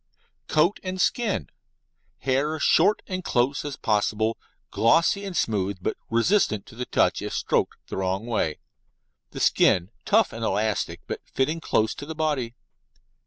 COAT AND SKIN Hair short and close as possible, glossy and smooth, but resistant to the touch if stroked the wrong way. The skin tough and elastic, but fitting close to the body.